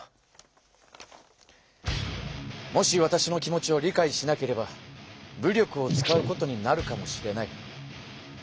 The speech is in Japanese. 「もしわたしの気持ちを理解しなければ武力を使うことになるかもしれない」。